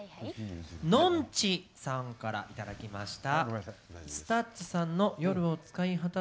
のんちさんからいただきました。